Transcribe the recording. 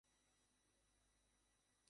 তিনি তাকে ভিক্ষুর শপথ গ্রহণের অনুরোধ জানান।